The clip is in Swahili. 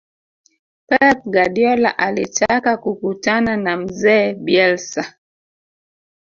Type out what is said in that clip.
pep guardiola alitaka kukutana na mzee bielsa